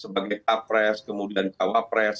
pak pres kemudian cawapres